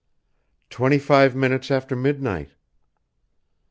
"Twenty five minutes after midnight."